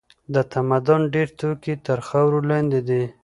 د تمدن ډېر توکي تر خاورو لاندې دي.